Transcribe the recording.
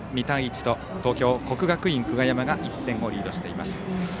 ２対１と東京・国学院久我山が１点をリードしています。